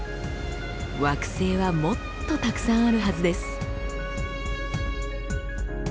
惑星はもっとたくさんあるはずです。